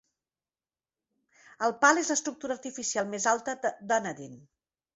El pal és l'estructura artificial més alta de Dunedin.